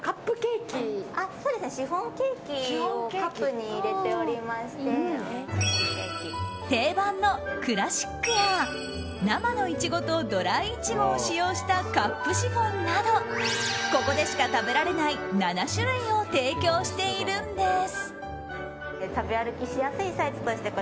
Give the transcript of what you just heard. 何これ、すごい！定番のクラシックや生のイチゴとドライイチゴを使用したカップシフォンなどここでしか食べられない７種類を提供しているんです。